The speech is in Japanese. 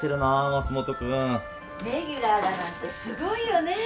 松本君レギュラーだなんてすごいよねえ